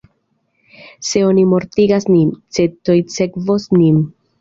Se oni mortigas nin, centoj sekvos nin.